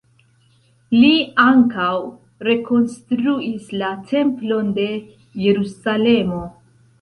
Li ankaŭ rekonstruis la Templon de Jerusalemo.